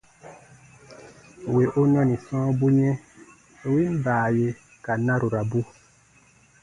Wì u nɔni sɔ̃ɔbu yɛ̃, win baaye ka narurabu.